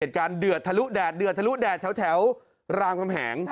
เหตุการณ์เดือดทะลุแดดเดือดทะลุแดดแถวรามพรรมแหง